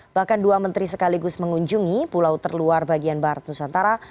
bahkan dua menteri sekaligus mengunjungi pulau terluar bagian barat nusantara